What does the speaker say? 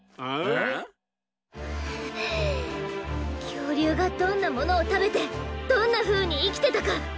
きょうりゅうがどんなものをたべてどんなふうにいきてたか。